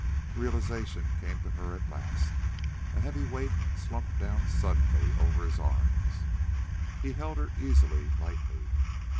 Realization came to her at last. A heavy weight slumped down suddenly over his arms. He held her easily, lightly.